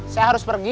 saya harus pergi